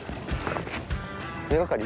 根がかり？